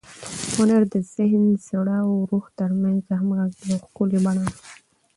هنر د ذهن، زړه او روح تر منځ د همغږۍ یوه ښکلي بڼه ده.